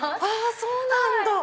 そうなんだ！